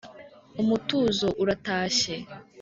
Umutuzo uratashye